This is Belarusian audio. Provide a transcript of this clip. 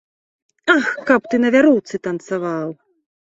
Ах, каб ты на вяроўцы танцаваў.